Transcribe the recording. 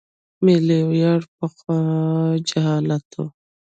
ملي ویاړ پخوا جهالت و.